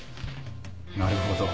なるほど。